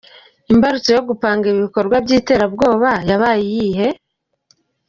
Imbarutso yo gupanga ibi bikorwa by’iterabwoba yabaye iyihe ?